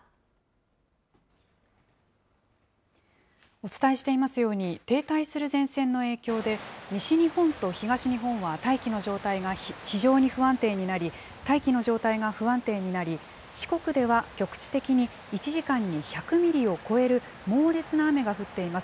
お伝えしていますように、停滞する前線の影響で、西日本と東日本は大気の状態が非常に不安定になり、大気の状態が不安定になり、四国では局地的に１時間に１００ミリを超える猛烈な雨が降っています。